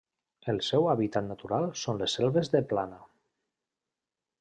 El seu hàbitat natural són les selves de plana.